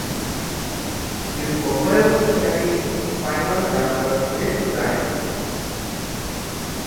This profile would carry into the final "Dunkerque" design.